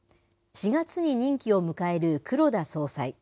４月に任期を迎える黒田総裁。